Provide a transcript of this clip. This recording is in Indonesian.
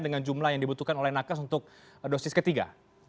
dengan jumlah yang dibutuhkan oleh nakas untuk dosis ketiga